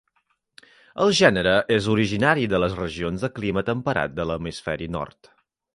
El gènere és originari de les regions de clima temperat de l'hemisferi Nord.